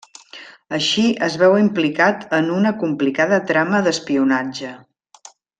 Així, es veu implicat en una complicada trama d'espionatge.